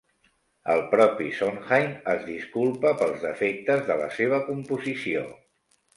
El propi Sondheim es disculpa pels defectes de la seva composició.